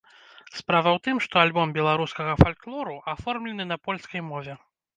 Справа ў тым, што альбом беларускага фальклору аформлены на польскай мове.